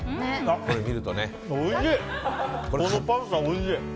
これを見るとね。